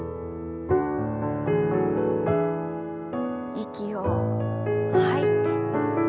息を吐いて。